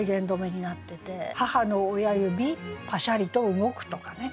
「母の親指パシャリと動く」とかね。